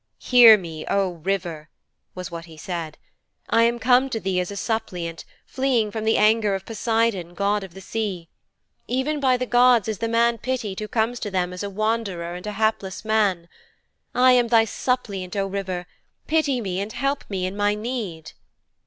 'Hear me, O River,' was what he said, 'I am come to thee as a suppliant, fleeing from the anger of Poseidon, god of the sea. Even by the gods is the man pitied who comes to them as a wanderer and a hapless man. I am thy suppliant, O River; pity me and help me in my need.'